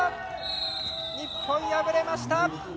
日本、敗れました。